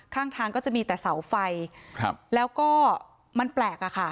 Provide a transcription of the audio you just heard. ข้างทางก็จะมีแต่เสาไฟครับแล้วก็มันแปลกอะค่ะ